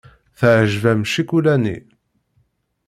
Teɛjeb-am ccikula-nni.